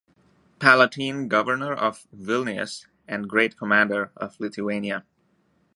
Palatine-Governor of Vilnius and Great-Commander of Lithuania.